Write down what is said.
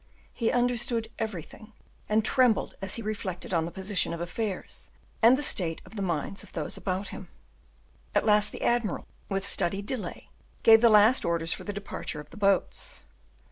He understood everything, and trembled as he reflected on the position of affairs, and the state of the minds of those about him. At last the admiral, with studied delay, gave the last orders for the departure of the boats.